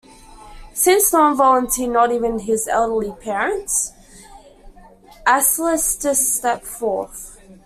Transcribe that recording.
Since no one volunteered, not even his elderly parents, Alcestis stepped forth.